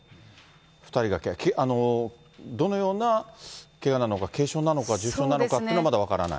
２人がどのようなけがなのか、軽傷なのか、重傷なのかっていうのは、まだ分からない。